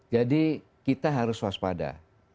jadi kita harus waspada